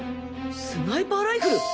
スナイパーライフル！？